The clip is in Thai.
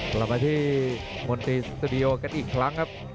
กลับมาที่มนตรีสตูดิโอกันอีกครั้งครับ